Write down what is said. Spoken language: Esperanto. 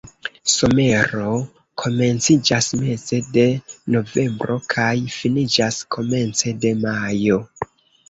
Somero komenciĝas meze de novembro kaj finiĝas komence de majo.